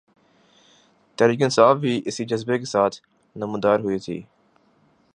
تحریک انصاف بھی اسی جذبے کے ساتھ نمودار ہوئی تھی۔